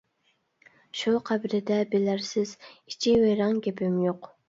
شۇ قەبرىدە بىلەرسىز، ئىچىۋېرىڭ گېپىم يوق.